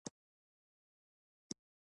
مفعول پر مستقیم او غېر مستقیم باندي وېشل سوی دئ.